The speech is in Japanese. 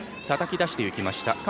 たたき出していきました。